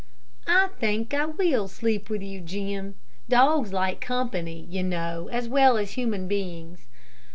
"I think I will sleep with you, Jim. Dogs like company, you know, as well as human beings."